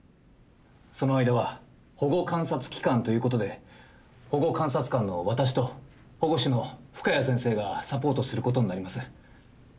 その間は保護観察期間ということで保護観察官の私と保護司の深谷先生がサポートすることになります。